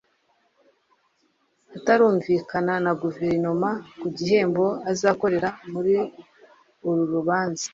atarumvikana na Guverinoma ku gihembo azakorera muri uru rubanza